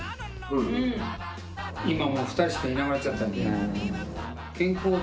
今はもう２人しかいなくなっちゃったんで。